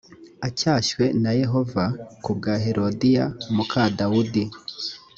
acyashywe na yohana ku bwa herodiya muka dawudi